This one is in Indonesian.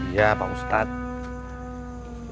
iya pak ustadz